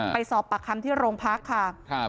ไปสอบปากคำที่โรงพักค่ะ